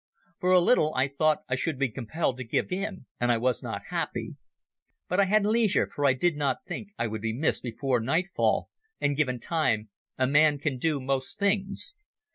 For a little I thought I should be compelled to give in, and I was not happy. "But I had leisure, for I did not think I would be missed before nightfall, and given time a man can do most things.